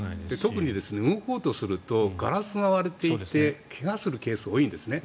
特に動こうとするとガラスが割れていて怪我するケースが多いんですね。